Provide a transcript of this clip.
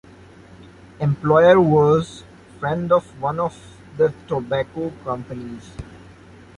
Employer was friend of one of the tobacco companies.